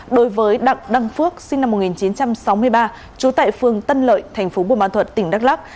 đối với đặng đăng phước sinh năm một nghìn chín trăm sáu mươi ba trú tại phương tân lợi thành phố bùa mã thuật tỉnh đắk lắc